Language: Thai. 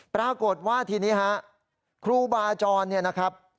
ปรากฏว่าทีนี้ฮะครูบาจรเนี่ยนะครับ